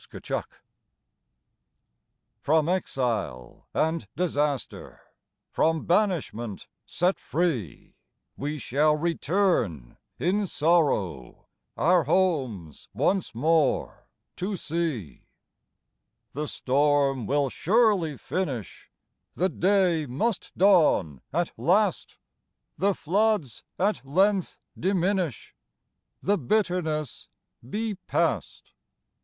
Return From exile and disaster, From banishment set free, We shall return in sorrow, Our homes once more to see. The storm will surely finish, The day must dawn at last, The floods at length diminish, The bitterness be past.